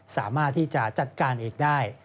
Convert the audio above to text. สามารถที่จะจัดการเองได้